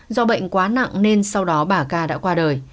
do bệnh quá nặng nên sau đó bà ca đã qua đời